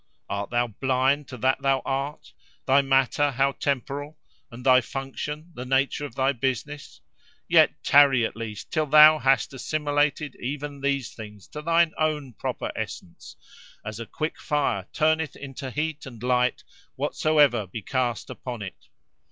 Art thou blind to that thou art—thy matter, how temporal; and thy function, the nature of thy business? Yet tarry, at least, till thou hast assimilated even these things to thine own proper essence, as a quick fire turneth into heat and light whatsoever be cast upon it.